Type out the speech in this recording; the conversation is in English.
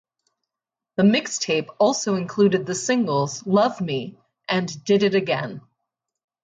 The mixtape also included the singles "Love Me" and "Did It Again".